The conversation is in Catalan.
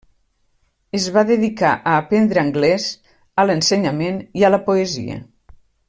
Es va dedicar a aprendre angles, a l'ensenyament i a la poesia.